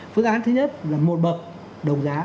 phương án thứ nhất là một bậc đồng giá